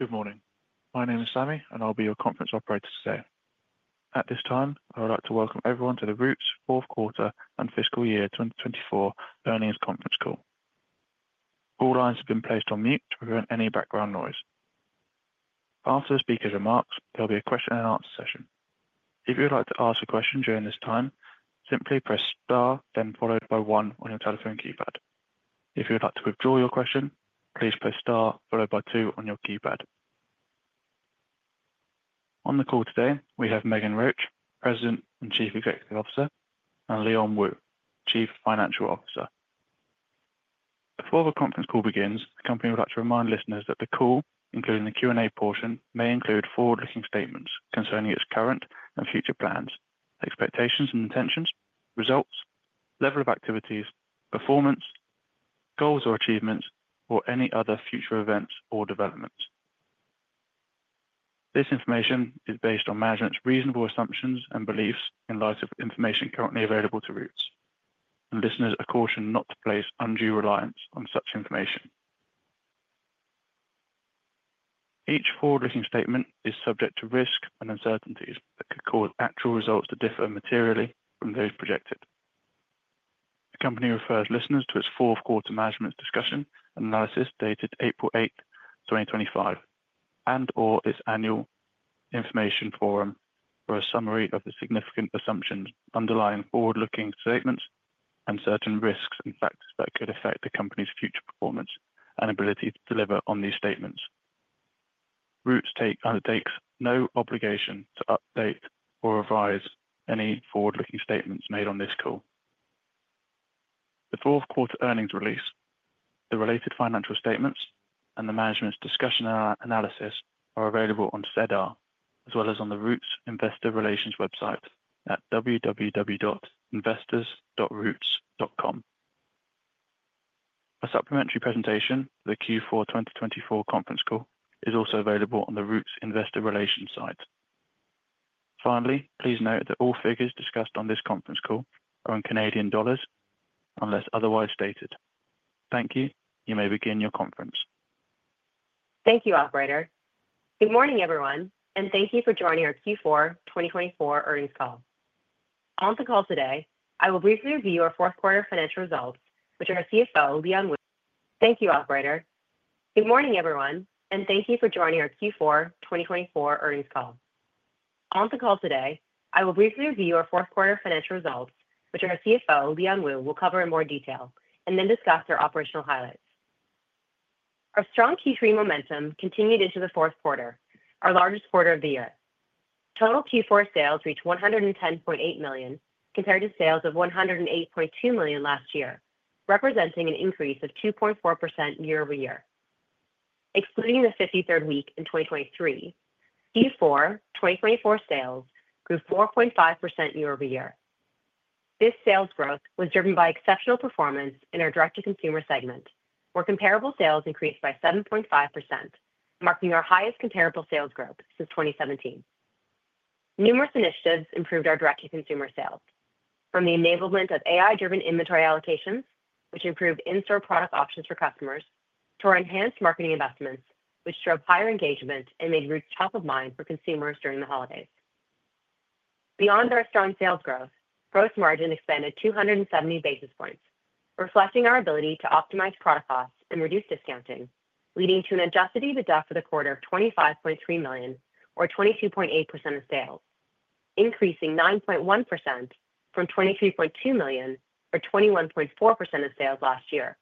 Good morning. My name is Sammy, and I'll be your conference operator today. At this time, I would like to welcome everyone to the Roots Fourth Quarter and Fiscal Year 2024 Earnings Conference Call. All lines have been placed on mute to prevent any background noise. After the speaker's remarks, there'll be a Q&A session. If you would like to ask a question during this time, simply press star, then followed by one on your telephone keypad. If you would like to withdraw your question, please press star, followed by two on your keypad. On the call today, we have Meghan Roach, President and Chief Executive Officer, and Leon Wu, Chief Financial Officer. Before the conference call begins, the company would like to remind listeners that the call, including the Q&A portion, may include forward-looking statements concerning its current and future plans, expectations and intentions, results, level of activities, performance, goals or achievements, or any other future events or developments. This information is based on management's reasonable assumptions and beliefs in light of information currently available to Roots, and listeners are cautioned not to place undue reliance on such information. Each forward-looking statement is subject to risk and uncertainties that could cause actual results to differ materially from those projected. The company refers listeners to its Fourth Quarter Management's discussion and analysis dated April 8, 2025, and/or its annual information forum for a summary of the significant assumptions underlying forward-looking statements and certain risks and factors that could affect the company's future performance and ability to deliver on these statements. Roots undertakes no obligation to update or revise any forward-looking statements made on this call. The fourth quarter earnings release, the related financial statements, and the management's discussion and analysis are available on SEDAR, as well as on the Roots Investor Relations website at www.investors.roots.com. A supplementary presentation for the Q4 2024 conference call is also available on the Roots Investor Relations site. Finally, please note that all figures discussed on this conference call are in Canadian dollars unless otherwise stated. Thank you. You may begin your conference. Thank you, Operator. Good morning, everyone, and thank you for joining our Q4 2024 Earnings Call. On the call today, I will briefly review our fourth quarter financial results, which our CFO, Leon Wu, will cover in more detail, and then discuss our operational highlights. Our strong Q3 momentum continued into the fourth quarter, our largest quarter of the year. Total Q4 sales reached 110.8 million, compared to sales of 108.2 million last year, representing an increase of 2.4% year over year. Excluding the 53rd week in 2023, Q4 2024 sales grew 4.5% year-over-year. This sales growth was driven by exceptional performance in our direct-to-consumer segment, where comparable sales increased by 7.5%, marking our highest comparable sales growth since 2017. Numerous initiatives improved our direct-to-consumer sales, from the enablement of AI-driven inventory allocations, which improved in-store product options for customers, to our enhanced marketing investments, which drove higher engagement and made Roots top of mind for consumers during the holidays. Beyond our strong sales growth, gross margin expanded 270 basis points, reflecting our ability to optimize product costs and reduce discounting, leading to an adjusted EBITDA for the quarter of 25.3 million, or 22.8% of sales, increasing 9.1% from 23.2 million, or 21.4% of sales last year.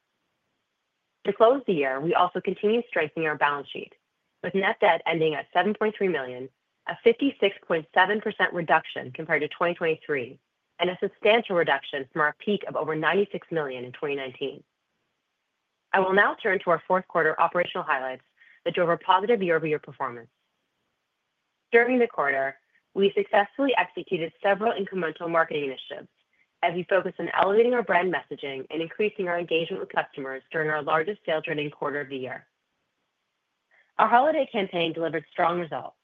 To close the year, we also continued strengthening our balance sheet, with net debt ending at 7.3 million, a 56.7% reduction compared to 2023, and a substantial reduction from our peak of over 96 million in 2019. I will now turn to our fourth quarter operational highlights that drove our positive year-over-year performance. During the quarter, we successfully executed several incremental marketing initiatives as we focused on elevating our brand messaging and increasing our engagement with customers during our largest sales-driven quarter of the year. Our holiday campaign delivered strong results.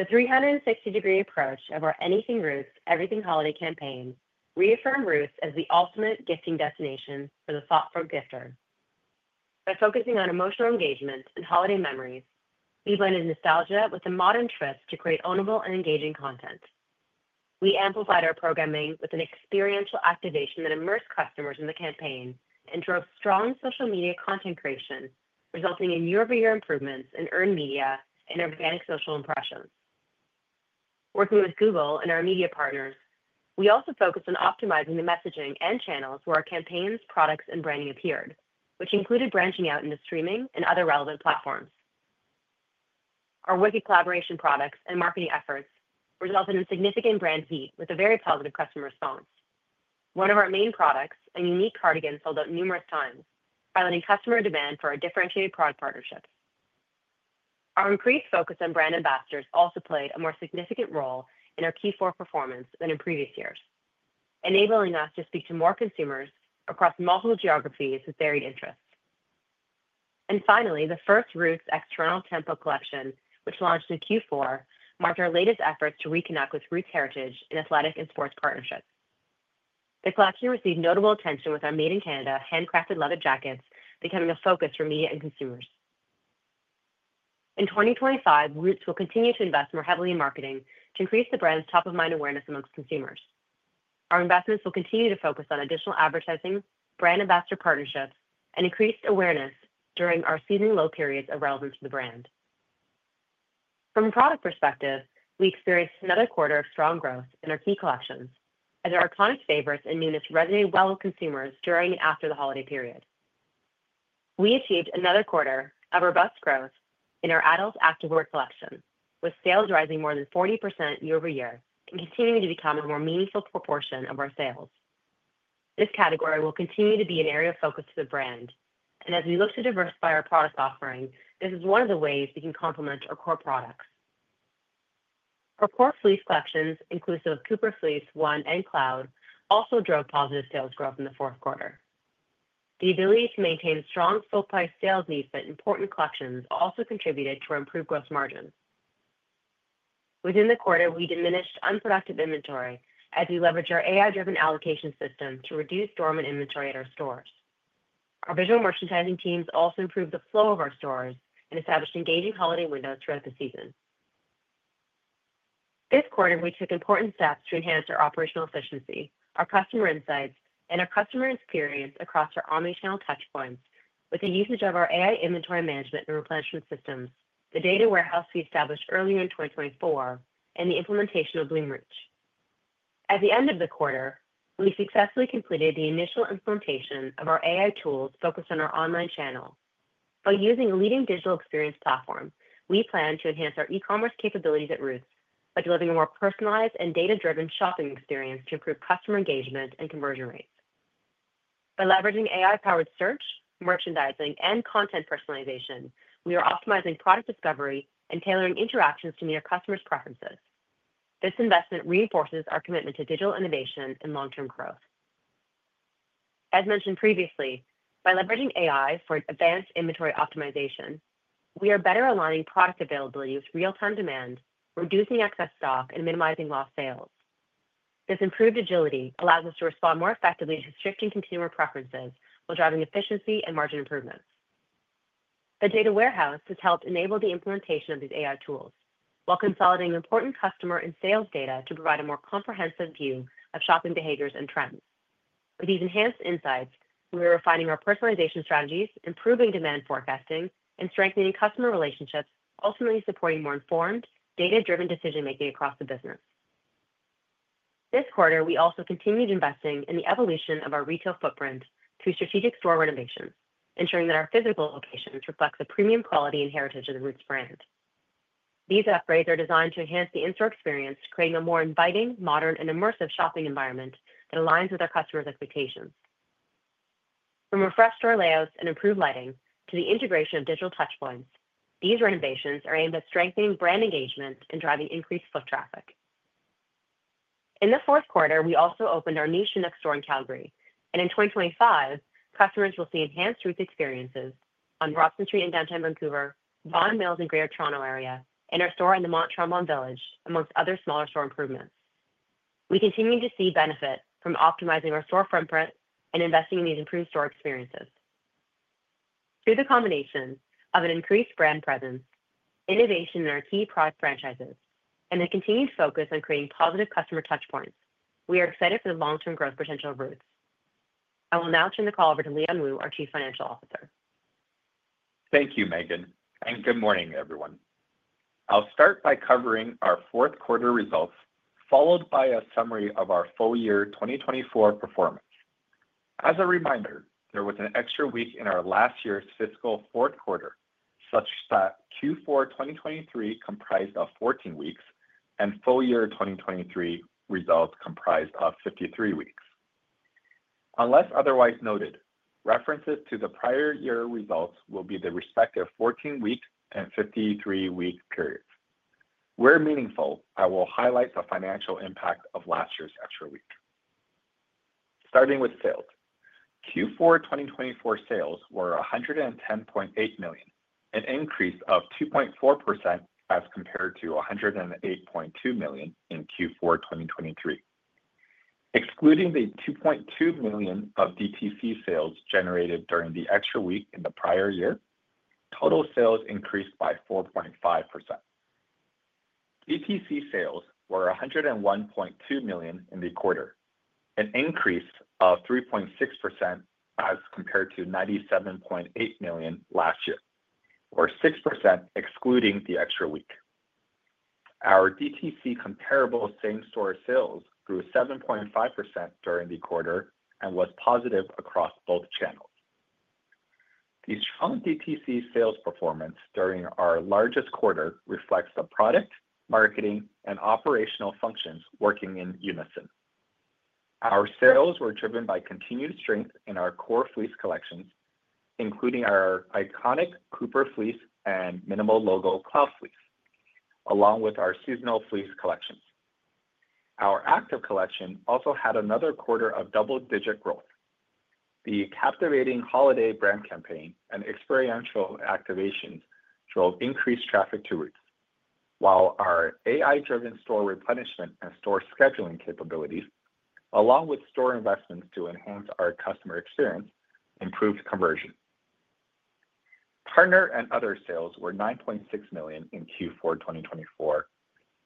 The 360-degree approach of our Anything Roots Everything Holiday campaign reaffirmed Roots as the ultimate gifting destination for the thoughtful gifter. By focusing on emotional engagement and holiday memories, we blended nostalgia with a modern twist to create ownable and engaging content. We amplified our programming with an experiential activation that immersed customers in the campaign and drove strong social media content creation, resulting in year-over-year improvements in earned media and organic social impressions. Working with Google and our media partners, we also focused on optimizing the messaging and channels where our campaigns, products, and branding appeared, which included branching out into streaming and other relevant platforms. Our Wiki collaboration products and marketing efforts resulted in significant brand heat with a very positive customer response. One of our main products, a unique cardigan, sold out numerous times, highlighting customer demand for our differentiated product partnerships. Our increased focus on brand ambassadors also played a more significant role in our Q4 performance than in previous years, enabling us to speak to more consumers across multiple geographies with varied interests. Finally, the first Roots external Tempo collection, which launched in Q4, marked our latest efforts to reconnect with Roots heritage in athletic and sports partnerships. The collection received notable attention with our Made in Canada handcrafted leather jackets becoming a focus for media and consumers. In 2025, Roots will continue to invest more heavily in marketing to increase the brand's top-of-mind awareness amongst consumers. Our investments will continue to focus on additional advertising, brand ambassador partnerships, and increased awareness during our seasonal low periods of relevance to the brand. From a product perspective, we experienced another quarter of strong growth in our key collections, as our iconic favorites and units resonated well with consumers during and after the holiday period. We achieved another quarter of robust growth in our Adult After Work collection, with sales rising more than 40% year over year and continuing to become a more meaningful proportion of our sales. This category will continue to be an area of focus for the brand, and as we look to diversify our product offering, this is one of the ways we can complement our core products. Our core fleece collections, inclusive of Cooper Fleece One and Cloud, also drove positive sales growth in the fourth quarter. The ability to maintain strong full-price sales needs at important collections also contributed to our improved gross margin. Within the quarter, we diminished unproductive inventory as we leveraged our AI-driven allocation system to reduce dormant inventory at our stores. Our visual merchandising teams also improved the flow of our stores and established engaging holiday windows throughout the season. This quarter, we took important steps to enhance our operational efficiency, our customer insights, and our customer experience across our omnichannel touchpoints with the usage of our AI inventory management and replenishment systems, the data warehouse we established earlier in 2024, and the implementation of Bloomreach. At the end of the quarter, we successfully completed the initial implementation of our AI tools focused on our online channel. By using a leading digital experience platform, we plan to enhance our e-commerce capabilities at Roots by delivering a more personalized and data-driven shopping experience to improve customer engagement and conversion rates. By leveraging AI-powered search, merchandising, and content personalization, we are optimizing product discovery and tailoring interactions to meet our customers' preferences. This investment reinforces our commitment to digital innovation and long-term growth. As mentioned previously, by leveraging AI for advanced inventory optimization, we are better aligning product availability with real-time demand, reducing excess stock, and minimizing lost sales. This improved agility allows us to respond more effectively to shifting consumer preferences while driving efficiency and margin improvements. The data warehouse has helped enable the implementation of these AI tools while consolidating important customer and sales data to provide a more comprehensive view of shopping behaviors and trends. With these enhanced insights, we are refining our personalization strategies, improving demand forecasting, and strengthening customer relationships, ultimately supporting more informed, data-driven decision-making across the business. This quarter, we also continued investing in the evolution of our retail footprint through strategic store renovations, ensuring that our physical locations reflect the premium quality and heritage of the Roots brand. These upgrades are designed to enhance the in-store experience, creating a more inviting, modern, and immersive shopping environment that aligns with our customers' expectations. From refreshed store layouts and improved lighting to the integration of digital touchpoints, these renovations are aimed at strengthening brand engagement and driving increased foot traffic. In the fourth quarter, we also opened our new Chinook store in Calgary, and in 2025, customers will see enhanced Roots experiences on Robson Street in downtown Vancouver, Vaughan Mills in Greater Toronto Area, and our store in the Mont-Tremblant Village, amongst other smaller store improvements. We continue to see benefit from optimizing our store footprint and investing in these improved store experiences. Through the combination of an increased brand presence, innovation in our key product franchises, and a continued focus on creating positive customer touchpoints, we are excited for the long-term growth potential of Roots. I will now turn the call over to Leon Wu, our Chief Financial Officer. Thank you, Meghan, and good morning, everyone. I'll start by covering our fourth quarter results, followed by a summary of our full year 2024 performance. As a reminder, there was an extra week in our last year's fiscal fourth quarter, such that Q4 2023 comprised of 14 weeks and full year 2023 results comprised of 53 weeks. Unless otherwise noted, references to the prior year results will be the respective 14-week and 53-week periods. Where meaningful, I will highlight the financial impact of last year's extra week. Starting with sales, Q4 2024 sales were 110.8 million, an increase of 2.4% as compared to 108.2 million in Q4 2023. Excluding the 2.2 million of DTC sales generated during the extra week in the prior year, total sales increased by 4.5%. DTC sales were 101.2 million in the quarter, an increase of 3.6% as compared to 97.8 million last year, or 6% excluding the extra week. Our DTC comparable same-store sales grew 7.5% during the quarter and was positive across both channels. The strong DTC sales performance during our largest quarter reflects the product, marketing, and operational functions working in unison. Our sales were driven by continued strength in our core fleece collections, including our iconic Cooper Fleece and minimal logo Cloud fleece, along with our seasonal fleece collections. Our active collection also had another quarter of double-digit growth. The captivating holiday brand campaign and experiential activations drove increased traffic to Roots, while our AI-driven store replenishment and store scheduling capabilities, along with store investments to enhance our customer experience, improved conversion. Partner and other sales were 9.6 million in Q4 2024,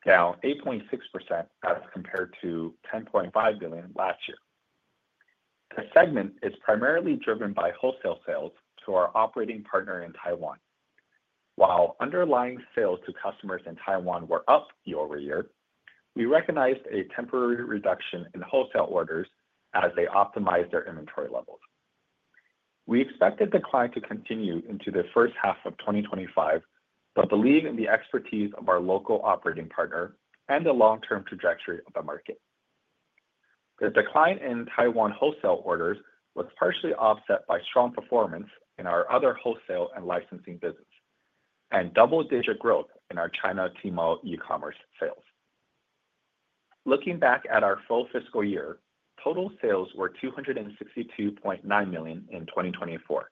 down 8.6% as compared to 10.5 million last year. The segment is primarily driven by wholesale sales to our operating partner in Taiwan. While underlying sales to customers in Taiwan were up year over year, we recognized a temporary reduction in wholesale orders as they optimized their inventory levels. We expect this trend to continue into the first half of 2025, but believe in the expertise of our local operating partner and the long-term trajectory of the market. The decline in Taiwan wholesale orders was partially offset by strong performance in our other wholesale and licensing business and double-digit growth in our China Temu e-commerce sales. Looking back at our full fiscal year, total sales were 262.9 million in 2024,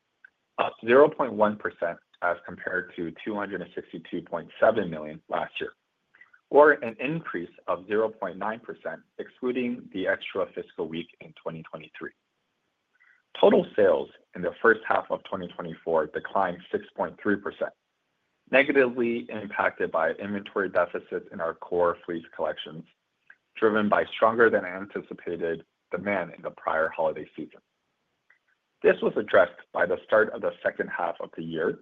up 0.1% as compared to 262.7 million last year, or an increase of 0.9% excluding the extra fiscal week in 2023. Total sales in the first half of 2024 declined 6.3%, negatively impacted by inventory deficits in our core fleece collections driven by stronger-than-anticipated demand in the prior holiday season. This was addressed by the start of the second half of the year,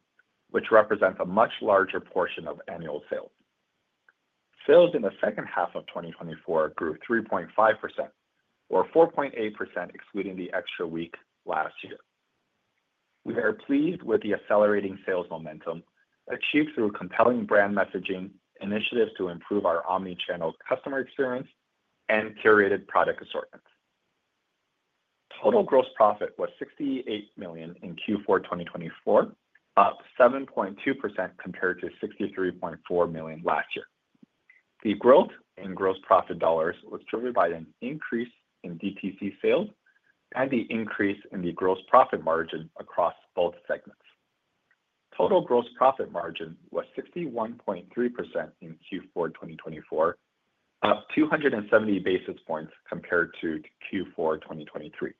which represents a much larger portion of annual sales. Sales in the second half of 2024 grew 3.5%, or 4.8% excluding the extra week last year. We are pleased with the accelerating sales momentum achieved through compelling brand messaging, initiatives to improve our omnichannel customer experience, and curated product assortments. Total gross profit was 68 million in Q4 2024, up 7.2% compared to 63.4 million last year. The growth in gross profit dollars was driven by an increase in DTC sales and the increase in the gross profit margin across both segments. Total gross profit margin was 61.3% in Q4 2024, up 270 basis points compared to Q4 2023.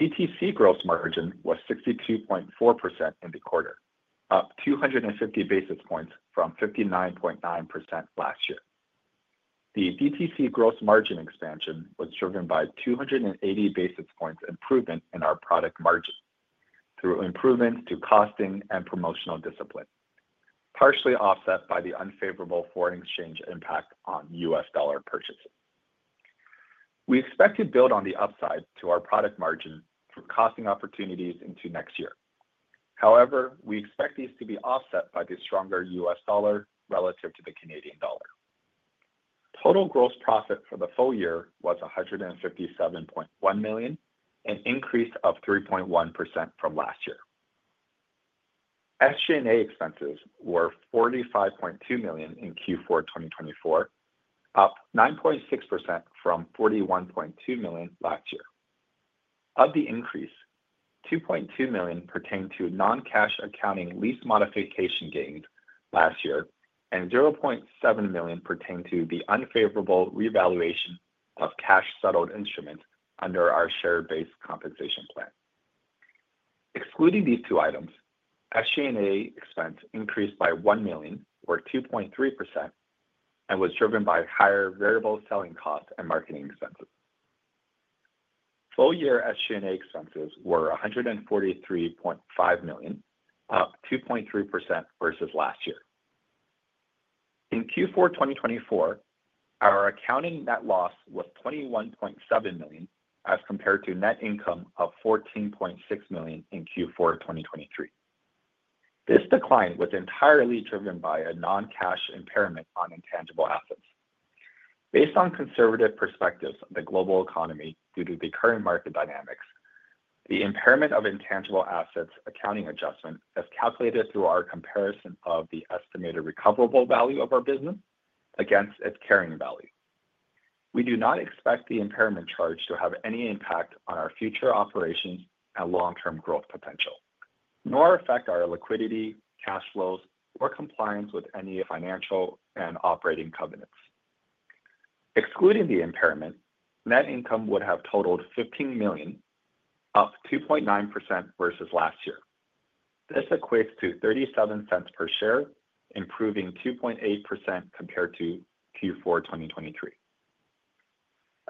DTC gross margin was 62.4% in the quarter, up 250 basis points from 59.9% last year. The DTC gross margin expansion was driven by 280 basis points improvement in our product margin through improvements to costing and promotional discipline, partially offset by the unfavorable foreign exchange impact on U.S. dollar purchases. We expect to build on the upside to our product margin through costing opportunities into next year. However, we expect these to be offset by the stronger U.S. dollar relative to the Canadian dollar. Total gross profit for the full year was 157.1 million, an increase of 3.1% from last year. SG&A expenses were 45.2 million in Q4 2024, up 9.6% from 41.2 million last year. Of the increase, 2.2 million pertained to non-cash accounting lease modification gains last year, and 0.7 million pertained to the unfavorable revaluation of cash-settled instruments under our share-based compensation plan. Excluding these two items, SG&A expense increased by 1 million, or 2.3%, and was driven by higher variable selling costs and marketing expenses. Full year SG&A expenses were 143.5 million, up 2.3% versus last year. In Q4 2024, our accounting net loss was 21.7 million as compared to net income of 14.6 million in Q4 2023. This decline was entirely driven by a non-cash impairment on intangible assets. Based on conservative perspectives of the global economy due to the current market dynamics, the impairment of intangible assets accounting adjustment is calculated through our comparison of the estimated recoverable value of our business against its carrying value. We do not expect the impairment charge to have any impact on our future operations and long-term growth potential, nor affect our liquidity, cash flows, or compliance with any financial and operating covenants. Excluding the impairment, net income would have totaled 15 million, up 2.9% versus last year. This equates to 0.37 per share, improving 2.8% compared to Q4 2023.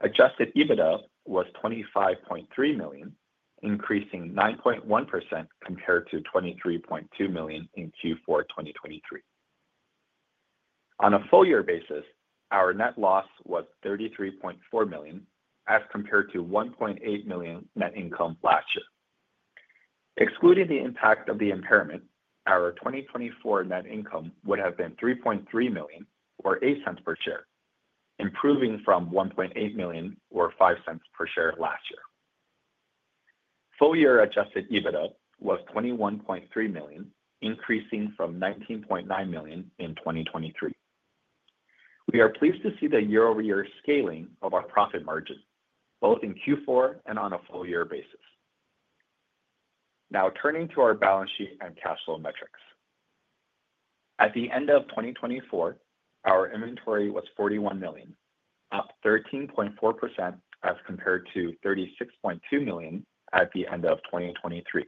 Adjusted EBITDA was 25.3 million, increasing 9.1% compared to 23.2 million in Q4 2023. On a full year basis, our net loss was 33.4 million as compared to 1.8 million net income last year. Excluding the impact of the impairment, our 2024 net income would have been 3.3 million, or 0.8 per share, improving from 1.8 million, or 0.5 per share last year. Full year adjusted EBITDA was 21.3 million, increasing from 19.9 million in 2023. We are pleased to see the year-over-year scaling of our profit margin, both in Q4 and on a full year basis. Now turning to our balance sheet and cash flow metrics. At the end of 2024, our inventory was 41 million, up 13.4% as compared to 36.2 million at the end of 2023.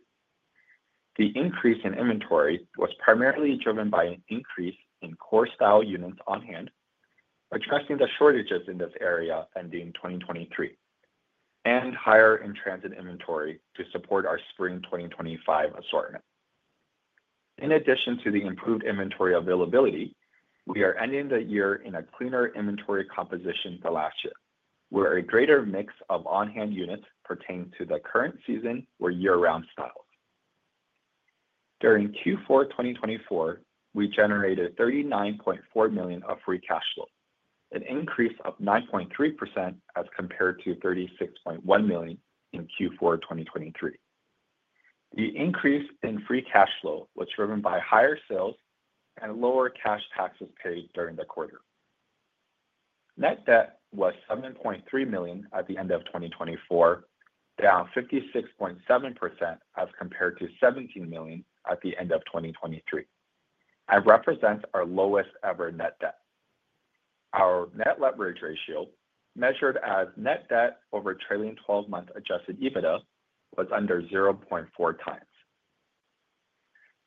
The increase in inventory was primarily driven by an increase in core style units on hand, addressing the shortages in this area ending 2023, and higher in transit inventory to support our spring 2025 assortment. In addition to the improved inventory availability, we are ending the year in a cleaner inventory composition than last year, where a greater mix of on-hand units pertaining to the current season were year-round styles. During Q4 2024, we generated 39.4 million of free cash flow, an increase of 9.3% as compared to 36.1 million in Q4 2023. The increase in free cash flow was driven by higher sales and lower cash taxes paid during the quarter. Net debt was 7.3 million at the end of 2024, down 56.7% as compared to 17 million at the end of 2023, and represents our lowest-ever net debt. Our net leverage ratio, measured as net debt over trailing 12-month adjusted EBITDA, was under 0.4 times.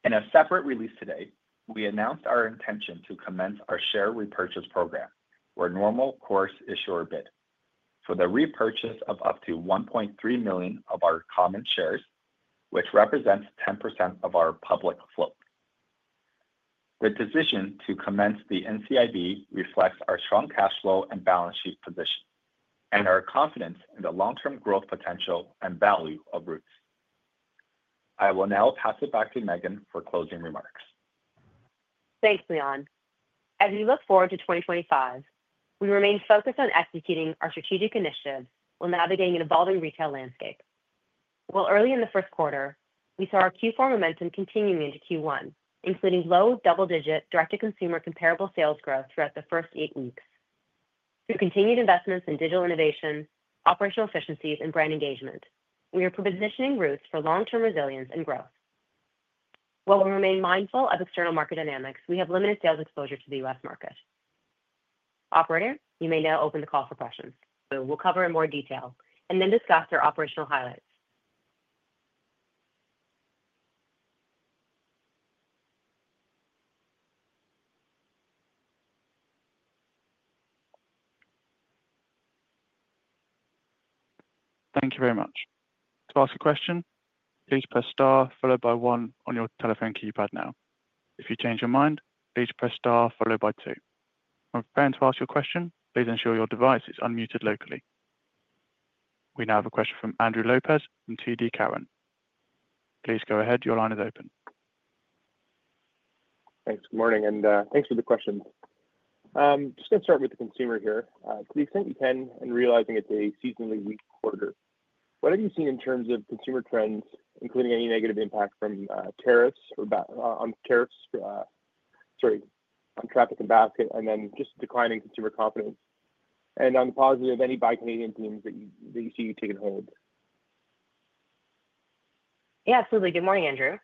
In a separate release today, we announced our intention to commence our share repurchase program, or normal course issuer bid, for the repurchase of up to 1.3 million of our common shares, which represents 10% of our public float. The decision to commence the NCIB reflects our strong cash flow and balance sheet position and our confidence in the long-term growth potential and value of Roots. I will now pass it back to Meghan for closing remarks. Thanks, Leon. As we look forward to 2025, we remain focused on executing our strategic initiatives while navigating an evolving retail landscape. While early in the first quarter, we saw our Q4 momentum continuing into Q1, including low double-digit direct-to-consumer comparable sales growth throughout the first eight weeks. Through continued investments in digital innovation, operational efficiencies, and brand engagement, we are positioning Roots for long-term resilience and growth. While we remain mindful of external market dynamics, we have limited sales exposure to the U.S. market. Operator, you may now open the call for questions. We'll cover in more detail and then discuss their operational highlights. Thank you very much. To ask a question, please press star followed by one on your telephone keypad now. If you change your mind, please press star followed by two. When preparing to ask your question, please ensure your device is unmuted locally. We now have a question from Andrew Lopez from TD Cowen. Please go ahead. Your line is open. Thanks. Good morning, and thanks for the question. I'm just going to start with the consumer here. To the extent you can and realizing it's a seasonally weak quarter, what have you seen in terms of consumer trends, including any negative impact from tariffs, sorry, on traffic and basket, and then just declining consumer confidence, and on the positive, any buy Canadian themes that you see taking hold? Yeah, absolutely. Good morning, Andrew.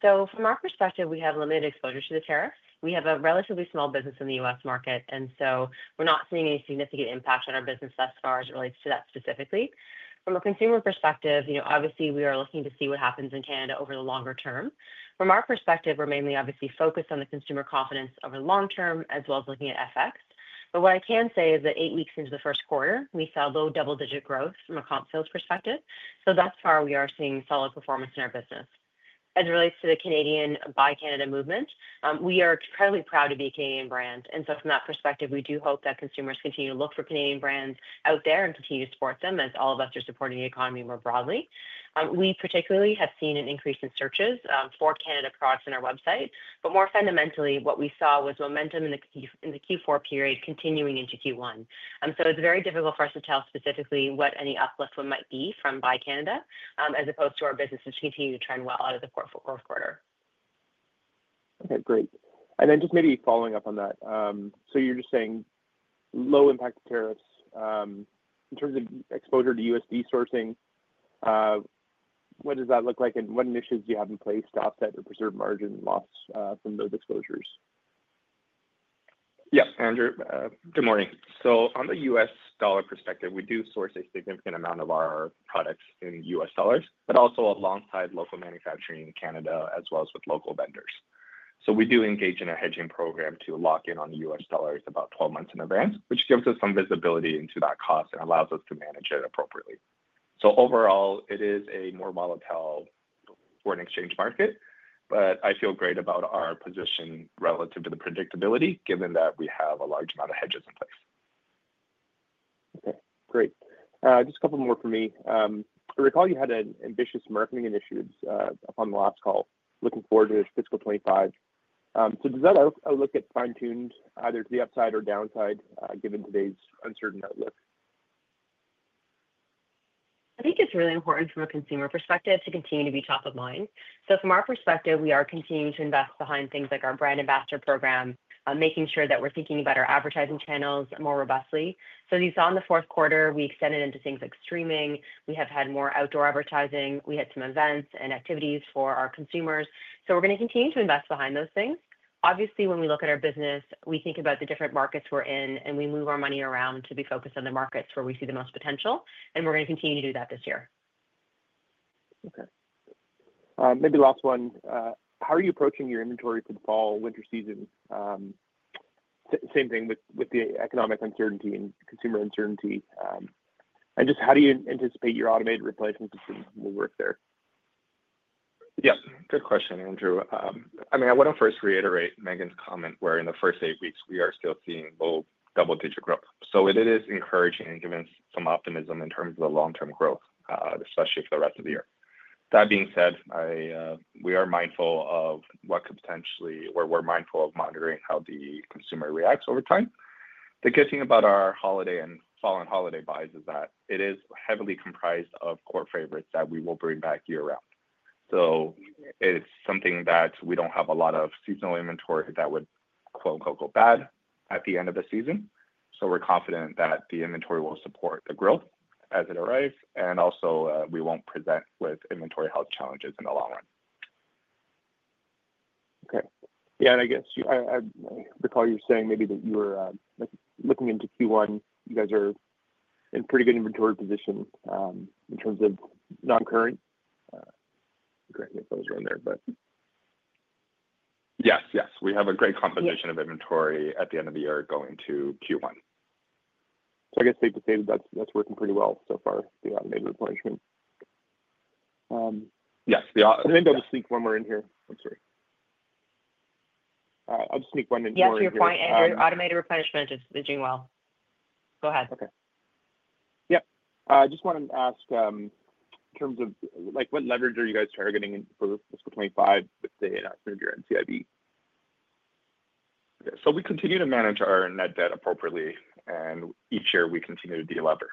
From our perspective, we have limited exposure to the tariffs. We have a relatively small business in the U.S. market, and we are not seeing any significant impact on our business thus far as it relates to that specifically. From a consumer perspective, obviously, we are looking to see what happens in Canada over the longer term. From our perspective, we are mainly obviously focused on the consumer confidence over the long term, as well as looking at FX. What I can say is that eight weeks into the first quarter, we saw low double-digit growth from a comp sales perspective. Thus far, we are seeing solid performance in our business. As it relates to the Canadian buy Canada movement, we are incredibly proud to be a Canadian brand. From that perspective, we do hope that consumers continue to look for Canadian brands out there and continue to support them as all of us are supporting the economy more broadly. We particularly have seen an increase in searches for Canada products on our website. More fundamentally, what we saw was momentum in the Q4 period continuing into Q1. It is very difficult for us to tell specifically what any uplift might be from buy Canada as opposed to our business, which continued to trend well out of the fourth quarter. Okay, great. Just maybe following up on that, you are just saying low impact tariffs in terms of exposure to USD sourcing. What does that look like, and what initiatives do you have in place to offset or preserve margin loss from those exposures? Yes, Andrew. Good morning. On the U.S. dollar perspective, we do source a significant amount of our products in U.S. dollars, but also alongside local manufacturing in Canada as well as with local vendors. We do engage in a hedging program to lock in on U.S. dollars about 12 months in advance, which gives us some visibility into that cost and allows us to manage it appropriately. Overall, it is a more volatile foreign exchange market, but I feel great about our position relative to the predictability, given that we have a large amount of hedges in place. Okay, great. Just a couple more from me. I recall you had ambitious marketing initiatives upon the last call, looking forward to fiscal 2025. Does that look at fine-tuned either to the upside or downside given today's uncertain outlook? I think it's really important from a consumer perspective to continue to be top of mind. From our perspective, we are continuing to invest behind things like our brand ambassador program, making sure that we're thinking about our advertising channels more robustly. As you saw in the fourth quarter, we extended into things like streaming. We have had more outdoor advertising. We had some events and activities for our consumers. We're going to continue to invest behind those things. Obviously, when we look at our business, we think about the different markets we're in, and we move our money around to be focused on the markets where we see the most potential. We're going to continue to do that this year. Okay. Maybe last one. How are you approaching your inventory for the fall, winter season? Same thing with the economic uncertainty and consumer uncertainty. Just how do you anticipate your automated replacement system will work there? Yeah, good question, Andrew. I mean, I want to first reiterate Meghan's comment where in the first eight weeks, we are still seeing low double-digit growth. It is encouraging and gives us some optimism in terms of the long-term growth, especially for the rest of the year. That being said, we are mindful of what could potentially or we're mindful of monitoring how the consumer reacts over time. The good thing about our holiday and fall and holiday buys is that it is heavily comprised of core favorites that we will bring back year-round. It is something that we do not have a lot of seasonal inventory that would "go bad" at the end of the season. We are confident that the inventory will support the growth as it arrives, and also we will not present with inventory health challenges in the long run. Okay. Yeah, I guess I recall you saying maybe that you were looking into Q1. You guys are in pretty good inventory position in terms of non-current. Great. I thought it was right there, but. Yes, yes. We have a great composition of inventory at the end of the year going to Q1. I guess safe to say that that's working pretty well so far, the automated replenishment. Yes. Maybe I'll just sneak one more in here. I'm sorry. I'll just sneak one in here. Yeah, sure. Automated replenishment is doing well. Go ahead. Okay. Yep. I just wanted to ask in terms of what leverage are you guys targeting for fiscal 2025 with the NCIB? We continue to manage our net debt appropriately, and each year we continue to de-lever.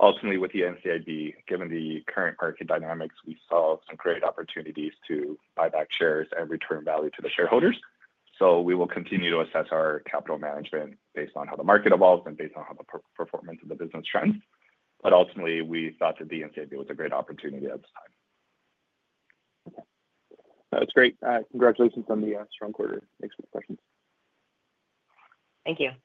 Ultimately, with the NCIB, given the current market dynamics, we saw some great opportunities to buy back shares and return value to the shareholders. We will continue to assess our capital management based on how the market evolves and based on how the performance of the business trends. Ultimately, we thought that the NCIB was a great opportunity at this time. Okay. That's great. Congratulations on the strong quarter. Thanks for the questions. Thank you.